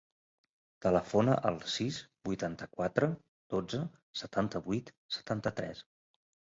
Telefona al sis, vuitanta-quatre, dotze, setanta-vuit, setanta-tres.